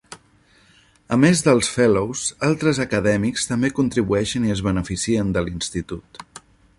A més dels Fellows, altres acadèmics també contribueixen i es beneficien de l'Institut.